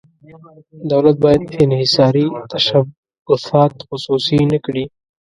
دولت باید انحصاري تشبثات خصوصي نه کړي.